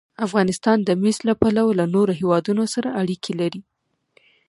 افغانستان د مس له پلوه له نورو هېوادونو سره اړیکې لري.